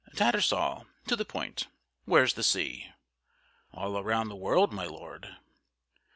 "Tattersall to the point; where's the sea?" "All round the world, my Lord."